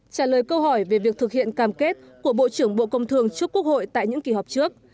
trả lời câu hỏi về việc thực hiện cam kết của bộ trưởng bộ công thương trước quốc hội tại những kỳ họp trước